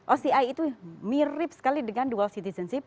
oci itu mirip sekali dengan dual citizenship